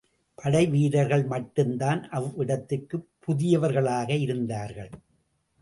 படை வீரர்கள் மட்டுதான் அவ்விடத்திற்குப் புதியவர்களாக இருந்தார்கள்.